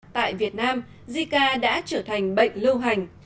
tại việt nam jica đã trở thành bệnh lưu hành